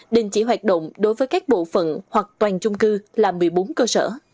đình chỉ hoạt động đối với các bộ phận hoặc toàn chung cư là một mươi bốn cơ sở